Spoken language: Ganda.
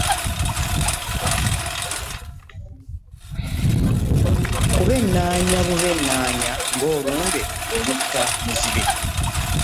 Kubennanya bubennanya ng'olumbe olutta muzibe.